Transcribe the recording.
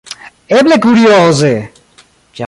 Eble kurioze!